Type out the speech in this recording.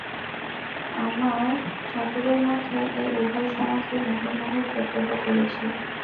আমরা ঠাকুরের মধ্যে এ উভয় সমাধি মুহুর্মুহু প্রত্যক্ষ করেছি।